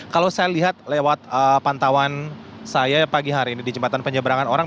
kalau saya lihat lewat pantauan saya pagi hari ini di jembatan penyeberangan orang